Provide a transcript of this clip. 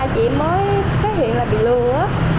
hai chị em mới phát hiện là bị lừa á